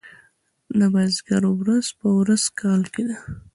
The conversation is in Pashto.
د بزګر ورځ په نوي کال کې ده.